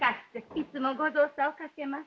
いつもご造作をかけます。